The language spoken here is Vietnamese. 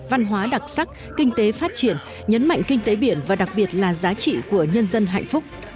văn hóa đặc sắc kinh tế phát triển nhấn mạnh kinh tế biển và đặc biệt là giá trị của nhân dân hạnh phúc